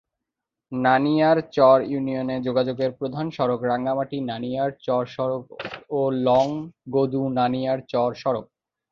নানিয়ারচর ইউনিয়নে যোগাযোগের প্রধান সড়ক রাঙ্গামাটি-নানিয়ারচর সড়ক ও লংগদু-নানিয়ারচর সড়ক।